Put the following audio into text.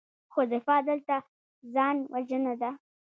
خو دفاع دلته ځان وژنه ده.